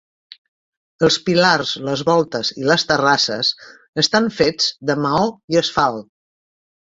Els pilars, les voltes i les terrasses estan fets de maó i asfalt.